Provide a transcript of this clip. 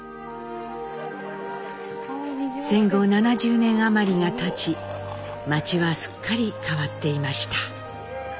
戦後７０年余りがたち町はすっかり変わっていました。